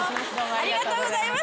ありがとうございます。